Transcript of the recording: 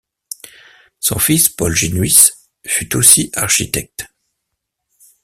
Son fils Paul Genuys fut aussi architecte.